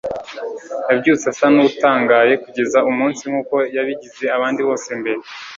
yabyutse asa n'utangaye kugeza umunsi nkuko yabigize abandi bose mbere